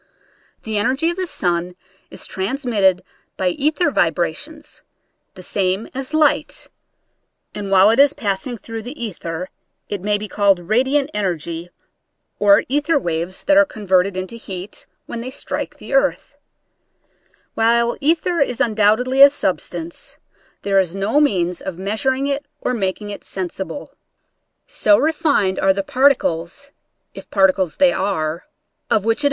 The energy of the sun is transmitted by ether vibrations, the same as light, and while it is passing through the ether it may be called radiant energy, or ether waves that are converted into heat when they strike the earth. While ether is undoubtedly a substance, there is no means of measuring it or making it sensible. So refined are the particles (if particles they are), of which it Original from UNIVERSITY OF WISCONSIN 44 nature's flStraclee.